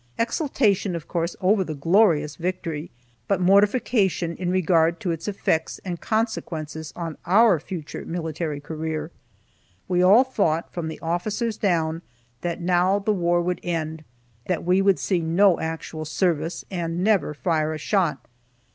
Exultation, of course, over the "glorious victory," but mortification in regard to its effects and consequences on our future military career. We all thought, from the officers down, that now the war would end, that we would see no actual service, and never fire a shot.